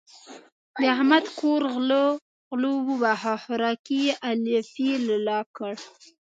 د احمد کور غلو وواهه؛ خوراکی يې الپی الا کړ.